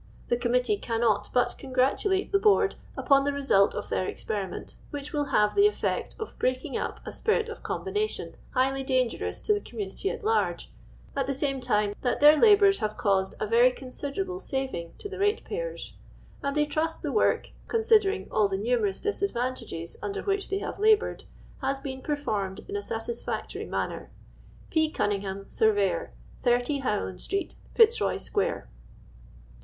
The Committee cannot but con gratulate the Board upon the result of tlieir experiment, which will have the effect of breaking up a spirit of combination highly dangerous to the community at large, at the same tune that their labours have caused a very considerable saving to the ratepayers; and they trust the work, con sidering all the numerous disad\'antages under which they have laboured, has been performed in a satisfactory manner. *'P. CuHNUfOHiJff, *' Surveyor, " 30, Ilowland street, FifcBroy sqimre."